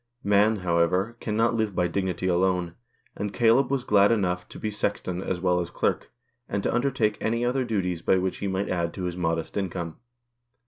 Man, however, cannot live by dignity alone, and Caleb was glad enough to be sexton as well as clerk, and to undertake any other duties by which he might add to his modest income.